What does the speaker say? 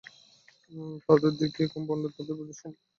তাদের দেখিয়া কম্পাউন্ডারকে তাদের সম্বন্ধে উপদেশ দিয়া শশী বাড়ি ফিরিল।